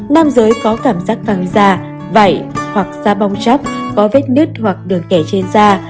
nam giới có cảm giác căng da vảy hoặc da bong chắp có vết nứt hoặc đường kẻ trên da